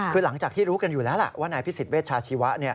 คือหลังจากที่รู้กันอยู่แล้วล่ะว่านายพิสิทธเวชชาชีวะ